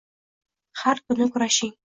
Har kuni kurashing